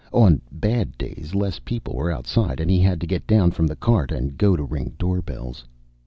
On bad days less people were outside and he had to get down from the cart and go to ring doorbells.